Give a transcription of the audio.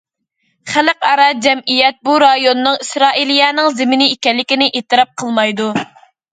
خەلقئارا جەمئىيەت بۇ رايوننىڭ ئىسرائىلىيەنىڭ زېمىنى ئىكەنلىكىنى ئېتىراپ قىلمايدۇ.